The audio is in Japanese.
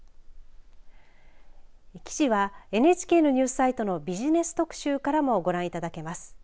記事はＮＨＫのニュースサイトのビジネス特集からもご覧いただけます。